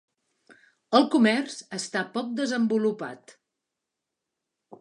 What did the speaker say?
El comerç està poc desenvolupat.